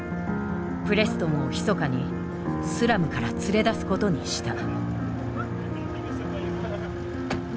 プレストンをひそかにスラムから連れ出すことにした。